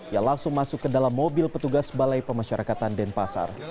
ia langsung masuk ke dalam mobil petugas balai pemasyarakatan denpasar